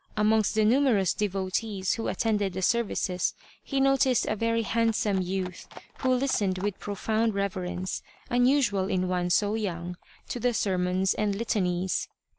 Amongst the numerous devotees who attended the services he noticed a very handsome youth, who listened with profound reverence, unusual in one so young, to the sermons and litanies.